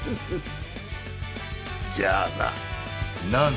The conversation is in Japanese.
じゃあな。